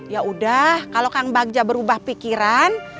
yaudah kalau kang bagja berubah pikiran